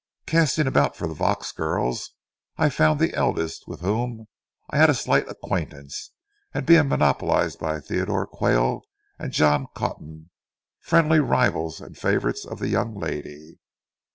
Casting about for the Vaux girls, I found the eldest, with whom I had a slight acquaintance, being monopolized by Theodore Quayle and John Cotton, friendly rivals and favorites of the young lady.